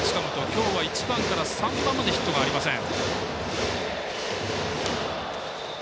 今日は１番から３番までヒットがありません。